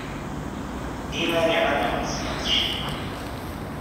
Dima riɣ ad awen-sleɣ tcennum.